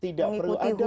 tidak perlu ada